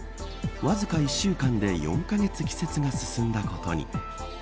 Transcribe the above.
わずか１週間で４カ月季節が進んだことに。